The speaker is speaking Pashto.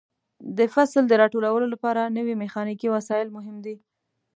د فصل د راټولولو لپاره نوې میخانیکي وسایل مهم دي.